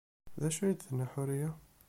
D acu ay d-tenna Ḥuriya?